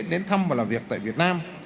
đến thăm và làm việc tại việt nam